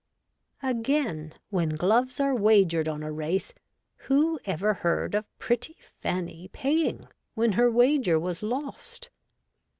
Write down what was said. Again, when gloves are wagered on a race, who ever heard of pretty Fanny paying when her wager was lost